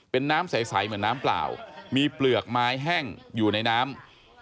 เป็นน้ำใสเหมือนน้ำเปล่ามีเปลือกไม้แห้งอยู่ในน้ำ